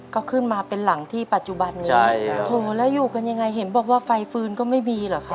ก็ขึ้นมาเป็นหลังที่ปัจจุบันนี้ใช่ครับโถแล้วอยู่กันยังไงเห็นบอกว่าไฟฟืนก็ไม่มีเหรอคะ